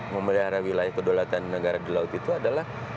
memelihara wilayah kedaulatan negara di laut itu adalah